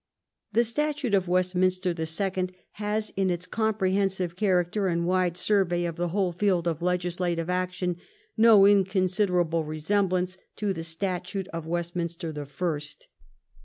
The Statute of Westminster the Second has in its comprehensive character and wide survey of the whole field of legislative action no inconsiderable resemblance to the Statute of Westminster the First.